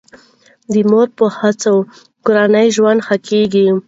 د مور په هڅو کورنی ژوند ښه کیږي.